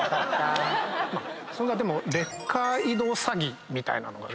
そんなレッカー移動詐欺みたいなのがですね